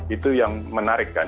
itu yang menarik kan